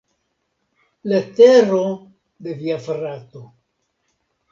Letero de via frato.